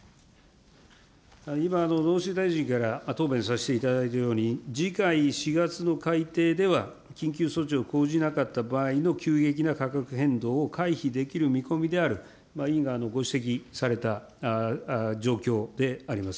今、農水大臣から答弁させていただいたように、次回４月の改定では、緊急措置を講じなかった場合の急激な価格変動を回避できる見込みである、委員からのご指摘された状況であります。